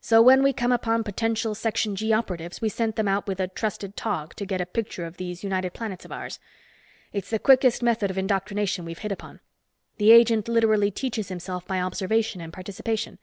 So when we come upon potential Section G operatives we send them out with a trusted Tog to get a picture of these United Planets of ours. It's the quickest method of indoctrination we've hit upon; the agent literally teaches himself by observation and participation.